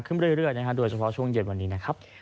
ขึ้นเรื่อยโดยเฉพาะช่วงเย็นในวันนี้นะคะ